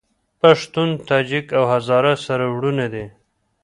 پښتون، تاجک او هزاره سره وروڼه دي